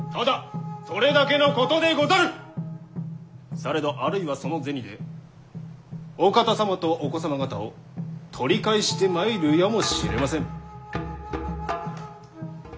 されどあるいはその銭でお方様とお子様方を取り返してまいるやもしれません。